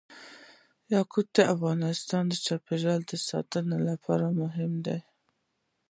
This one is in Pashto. یاقوت د افغانستان د چاپیریال ساتنې لپاره مهم دي.